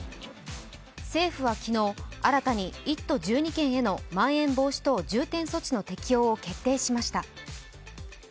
政府は昨日、新たに１都１２県へのまん延防止等重点措置の適用を決定しました。